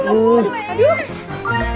udah puas lah ya